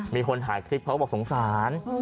มีคนถ่ายคลิปเขาก็บอกสงสาร